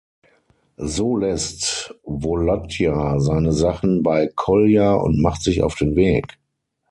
So lässt Wolodja seine Sachen bei Kolja und macht sich auf den Weg.